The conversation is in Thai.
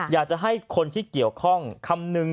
อยากจะให้คนที่เกี่ยวข้องคำนึง